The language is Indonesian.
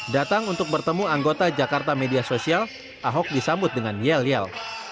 datang untuk bertemu anggota jakarta media sosial ahok disambut dengan yel yel